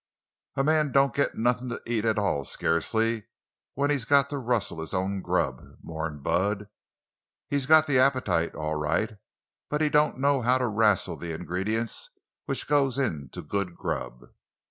"A man don't git nothin' to eat at all, scarcely—when he's got to rustle his own grub," mourned Bud. "He's got the appetite, all right, but he don't know how to rassle the ingredients which goes into good grub.